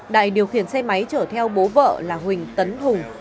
đại điều khiển xe máy chở theo bố vợ là huỳnh tấn hùng